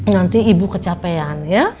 nanti ibu kecapean ya